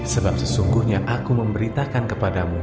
sebab sesungguhnya aku memberitakan kepadamu